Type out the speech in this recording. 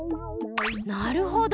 なるほど！